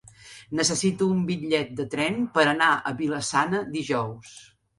Necessito un bitllet de tren per anar a Vila-sana dijous.